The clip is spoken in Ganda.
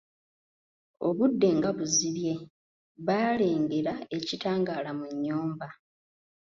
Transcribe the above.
Obudde nga buzibye, baalengera ekitangaala mu nnyumba.